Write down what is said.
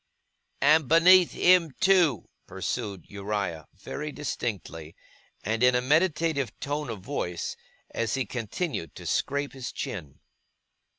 ' And beneath him too,' pursued Uriah, very distinctly, and in a meditative tone of voice, as he continued to scrape his chin.